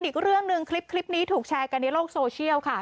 อีกเรื่องหนึ่งคลิปนี้ถูกแชร์กันในโลกโซเชียลค่ะ